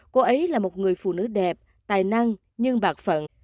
cô ấy là một người phụ nữ đẹp tài năng nhưng bạc phượng